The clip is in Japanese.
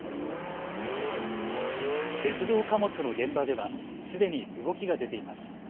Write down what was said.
鉄道貨物の現場ではすでに動きが出ています。